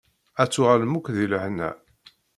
Ad tuɣalem akk di lehna.